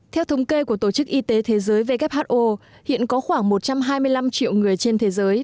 theo thống kê của tổ chức y tế thế giới who hiện có khoảng một trăm hai mươi năm triệu người trên thế giới